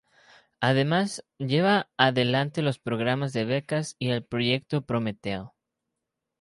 Además, lleva adelante los programas de Becas y el Proyecto Prometeo.